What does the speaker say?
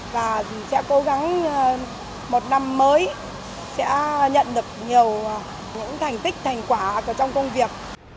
và sẽ cố gắng một năm mới sẽ nhận được nhiều những thành tích thành quả trong công việc